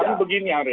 jadi begini arya